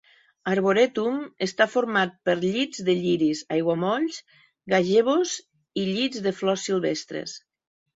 Arboretum està format per llits de lliris, aiguamolls, gazebos i llits de flors silvestres.